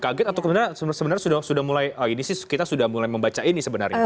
kaget atau sebenarnya kita sudah mulai membaca ini sebenarnya